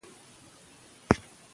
ماشومان باید تمرکز وکړي.